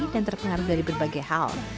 dan terpengaruh dari berbagai hal